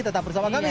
tetap bersama kami ya